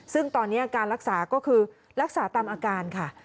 ซึ่งตอนนี้อาการรักษาก็คือรักษาตามอาการค่ะ